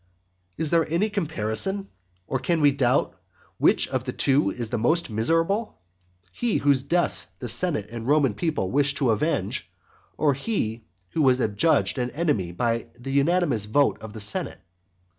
Is there any comparison? or can we doubt which of the two is most miserable? he whose death the senate and Roman people wish to avenge, or he who has been adjudged an enemy by the unanimous vote of the senate?